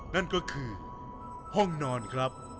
นั่นก็คือห้องนอนครับ